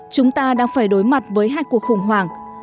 chúng ta đang phải đối mặt với hai cuộc khủng hoảng